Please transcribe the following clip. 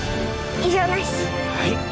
はい！